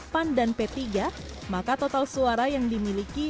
pan dan p tiga maka total suara yang dimiliki